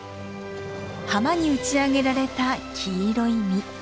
浜に打ち上げられた黄色い実。